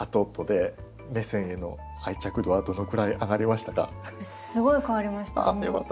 すごい変わりました。